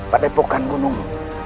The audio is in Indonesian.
pada pokokan gunung